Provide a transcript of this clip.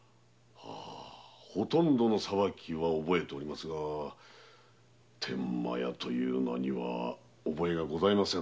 ほとんどの裁きは覚えておりますが“天満屋”という名には覚えがございません。